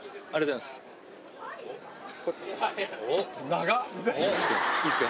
長っ！